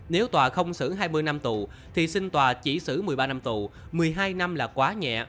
nếu tòa không xử hai mươi năm tù thì xin tòa chỉ xử một mươi ba năm tù một mươi hai năm là quá nhẹ